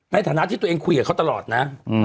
ในฐานะที่ตัวเองคุยกับเขาตลอดนะ